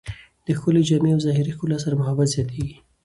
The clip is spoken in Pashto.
د ښکلې جامې او ظاهري ښکلا سره محبت زیاتېږي.